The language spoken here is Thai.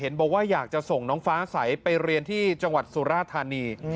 บอกว่าอยากจะส่งน้องฟ้าใสไปเรียนที่จังหวัดสุราธานี